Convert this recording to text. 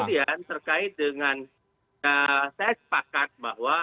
kemudian terkait dengan saya sepakat bahwa